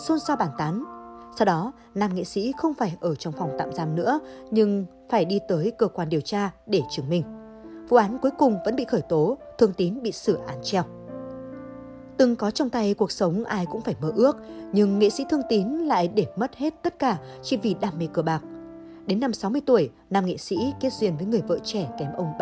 xin chào và hẹn gặp lại ở những video tiếp theo